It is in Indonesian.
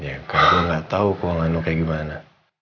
ya gue gak tahu keuangan lo kayak gimana